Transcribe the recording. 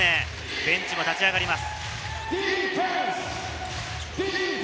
ベンチも立ち上がります。